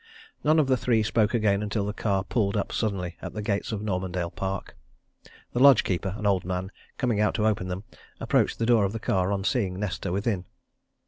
None of the three spoke again until the car pulled up suddenly at the gates of Normandale Park. The lodge keeper, an old man, coming out to open them, approached the door of the car on seeing Nesta within.